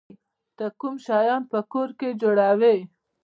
ته کوم شیان په کور کې جوړوی؟